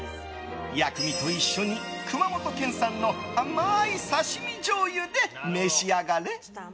薬味と一緒に、熊本県産の甘いさしみじょうゆで召し上がれ。